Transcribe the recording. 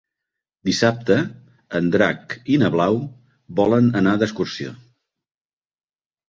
Dissabte en Drac i na Blau volen anar d'excursió.